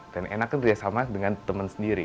dan enaknya kerjasama dengan teman sendiri